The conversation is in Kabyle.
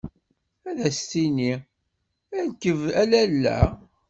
Ad as-tini: Rkeb a Lalla.